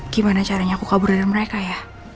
gimana caranya aku kabur dari mereka ya